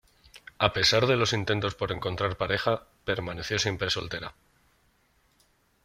A pesar de los intentos por encontrar pareja, permaneció siempre soltera.